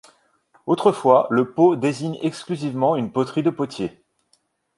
Autrefois, le pot désigne exclusivement une poterie de potier.